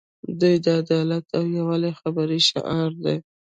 دوی د عدالت او یووالي خبرې شعار دي.